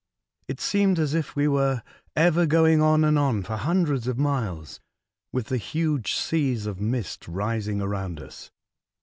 It seemed as if we were ever going on and on for hundreds of miles, with the huge seas of mist rising around us.